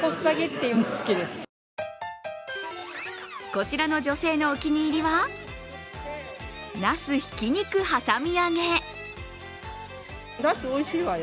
こちらの女性のお気に入りはなすひき肉はさみ揚げ。